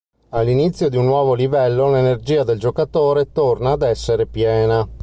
All'inizio di un nuovo livello l'energia del giocatore torna ad essere piena.